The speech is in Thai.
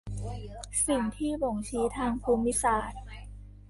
สิ่งที่บ่งชี้ทางภูมิศาสตร์